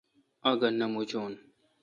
آگا نہ مچون۔